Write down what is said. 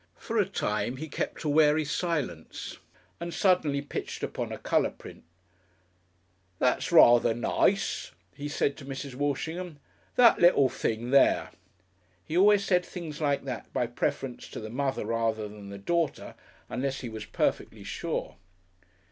For a time he kept a wary silence and suddenly pitched upon a colour print. "That's rather nace," he said to Mrs. Walshingham. "That lill' thing. There." He always said things like that by preference to the mother rather than the daughter unless he was perfectly sure.